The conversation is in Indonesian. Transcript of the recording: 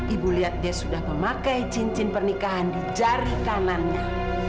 ibu lihat dia sudah memakai cincin pernikahan di jari kanannya